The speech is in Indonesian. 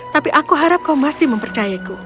tapi aku harap kau masih mempercayaiku